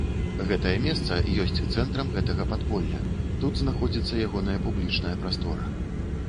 Гэтае месца ёсць цэнтрам гэтага падполля, тут знаходзіцца ягоная публічная прастора.